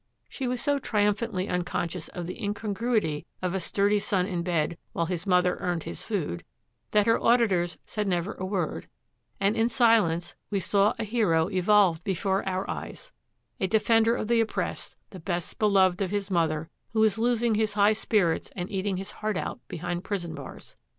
She was so triumphantly unconscious of the incongruity of a sturdy son in bed while his mother earned his food, that her auditors said never a word, and in silence we saw a hero evolved before our eyes: a defender of the oppressed, the best beloved of his mother, who was losing his high spirits and eating his heart out behind prison bars.